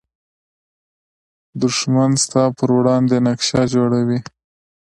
دښمن ستا پر وړاندې نقشه جوړوي